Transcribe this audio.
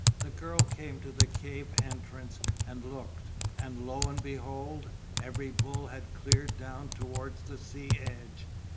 The girl came to the cave entrance and looked, and lo and behold! every bull had cleared down towards the sea edge.